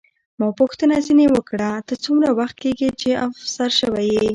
ما پوښتنه ځیني وکړه، ته څومره وخت کېږي چې افسر شوې یې؟